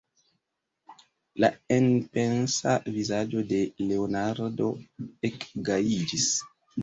La enpensa vizaĝo de Leonardo ekgajiĝis.